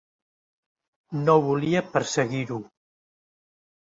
No volia perseguir-ho.